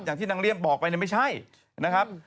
อย่างที่นางเลี่ยมบอกไปเนี่ยไม่ใช่นะครับ